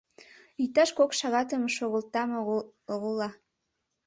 Иктаж кок шагатым шогылтам-огыла.